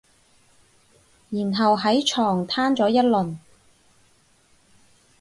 然後喺床攤咗一輪